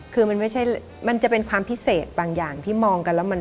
คือมันไม่ใช่มันจะเป็นความพิเศษบางอย่างที่มองกันแล้วมัน